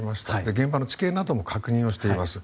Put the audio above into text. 現場の地形なども確認しています。